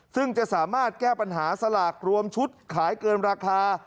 ซึ่งจะสามารถแก้ปัญหาสลากรวมชุดขายเกินราคา